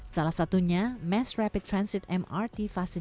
salah satunya mass rapid transit mrt fase dua